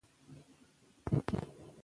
که رښتیا وي نو خاص وي.